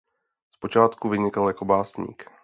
Zpočátku vynikal jako básník.